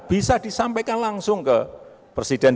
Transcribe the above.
bisa disampaikan langsung ke presiden